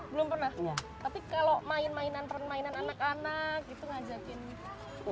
belum pernah tapi kalau main mainan mainan anak anak gitu ngajakin